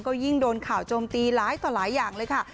ก็ยิ่งโดนข่าวโจมตีหลายต่อหลายอย่างเลยค่ะ